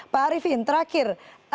pak arifin terakhir